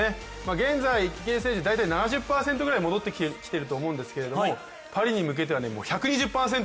現在、池江選手、７０％ぐらい戻ってきていると思うんですけれどパリに向けて１２０％